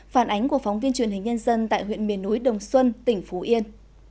phản ánh của phóng viên truyền hình nhân dân tại huyện miền núi đồng xuân tỉnh phú yên